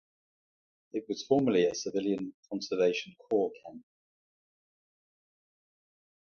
It was formerly a Civilian Conservation Corps camp.